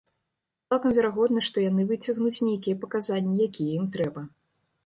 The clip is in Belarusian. Цалкам верагодна, што яны выцягнуць нейкія паказанні, якія ім трэба.